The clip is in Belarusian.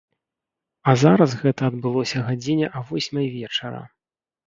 А зараз гэта адбылося гадзіне а восьмай вечара.